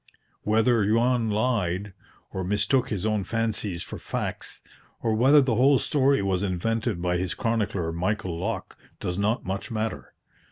Whether Juan lied, or mistook his own fancies for facts, or whether the whole story was invented by his chronicler Michael Lok, does not much matter.